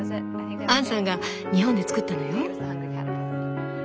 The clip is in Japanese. アンさんが日本で作ったのよ。